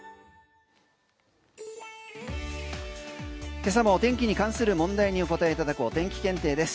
今朝もお天気に関する問題にお答えいただくお天気検定です。